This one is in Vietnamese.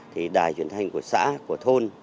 thì đài truyền thanh của xã của thôn